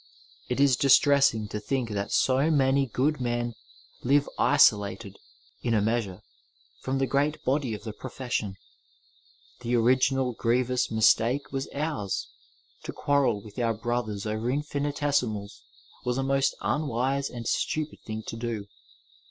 It is distressing to think that so many good men live iso lated, in a measure, from the great body of the profession. The original grievous mistake was ours — ^to quarrel with our brothers over infinitesimals was a most unwise and stupid thing to do.